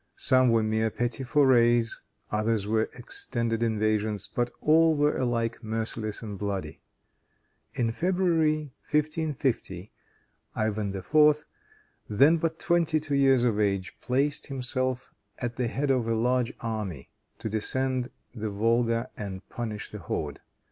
Some were mere petty forays, others were extended invasions, but all were alike merciless and bloody. In February, 1550, Ivan IV., then but twenty two years of age, placed himself at the head of a large army to descend the Volga and punish the horde.